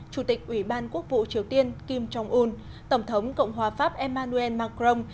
chủ tịch ủy ban quốc vụ triều tiên kim jong un tổng thống cộng hòa pháp emmanuel macron